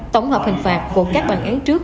tổng hợp hình phạt của các bàn án trước